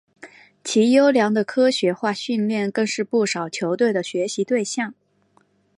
其优良的科学化训练更是不少球队的学习对象。